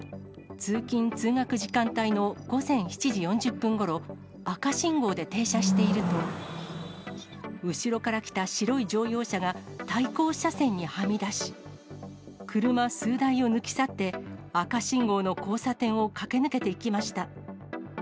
通勤・通学時間帯の午前７時４０分ごろ、赤信号で停車していると、後ろから来た白い乗用車が対向車線にはみ出し、車数台を抜き去って、赤信号の交差点を駆け抜けていきました。